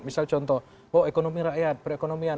misal contoh bahwa ekonomi rakyat perekonomian